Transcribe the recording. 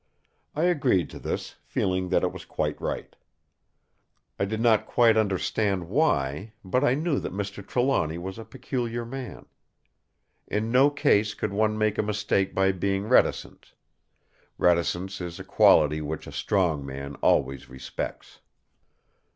I agreed to this, feeling that it was quite right. I did not quite understand why; but I knew that Mr. Trelawny was a peculiar man. In no case could one make a mistake by being reticent. Reticence is a quality which a strong man always respects.